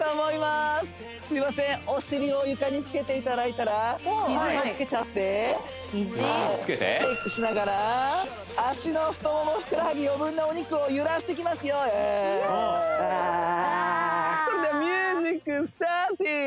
すみませんお尻を床につけていただいたら肘もつけちゃってシェイクしながら足の太ももふくらはぎ余分なお肉を揺らしていきますよウェフー！